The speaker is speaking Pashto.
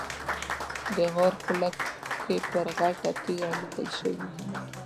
د غار خوله کې پر غټه تیږه لیکل شوي.